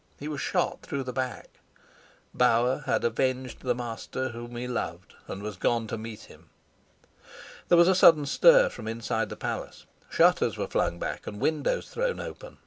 He was shot through the back. Bauer had avenged the master whom he loved, and was gone to meet him. There was a sudden stir from inside the palace. Shutters were flung back and windows thrown open.